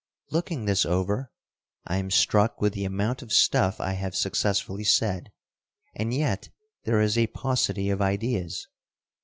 Looking this over, I am struck with the amount of stuff I have successfully said, and yet there is a paucity of ideas.